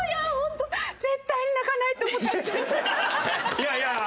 いやいや。